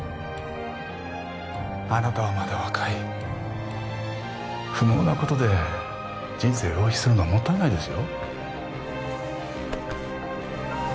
あなたはまだ若い不毛なことで人生浪費するのはもったいないですよ